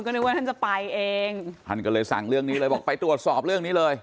นึกว่าท่านจะไปเองท่านก็เลยสั่งเรื่องนี้เลยบอกไปตรวจสอบเรื่องนี้เลย